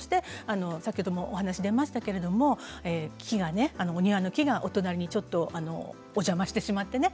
先ほどもお話が出ましたがお庭の木が、お隣にちょっとお邪魔してしまってね